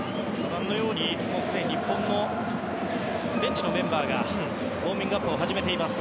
もうすでに日本のベンチメンバーがウォーミングアップを始めています。